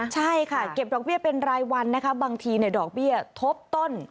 ใช่ค่ะเก็บดอกเบี้ยเป็นรายวันนะคะบางทีดอกเบี้ยทบต้น